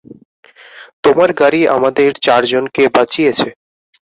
তোমার গাড়ি আমাদের চারজনকে বাঁচিয়েছে।